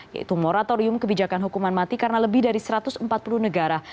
yaitu moratorium kebijakan hukuman mati karena lebih dari satu ratus empat puluh negara